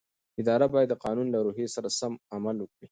اداره باید د قانون له روحیې سره سم عمل وکړي.